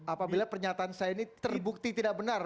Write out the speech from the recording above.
apabila pernyataan saya ini terbukti tidak benar